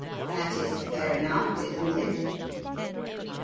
That is fair enough, isn't it?